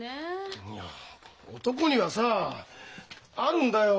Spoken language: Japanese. いや男にはさあるんだよ。